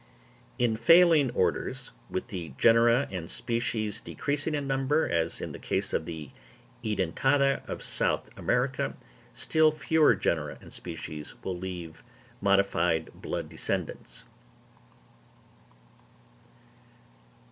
In failing orders, with the genera and species decreasing in numbers as is the case with the Edentata of South America, still fewer genera and species will leave modified blood descendants.